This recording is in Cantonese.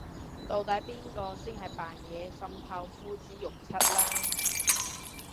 到底邊個先係扮嘢滲透呼之欲出啦